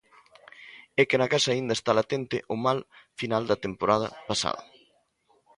E é que na casa aínda está latente o mal final da temporada pasada.